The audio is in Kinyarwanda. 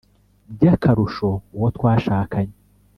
By’akarusho uwo twashakanye